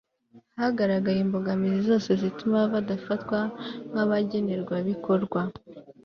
hagaragaye imbogamizi zose zituma badafatwa nk'abagenerwabikorwa